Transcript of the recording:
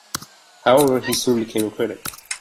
However, he soon became a critic.